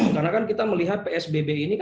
karena kita melihat psbb ini